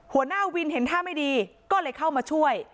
หัวหน้าวินเห็นท่าไม่ดีก็เลยเข้ามาช่วย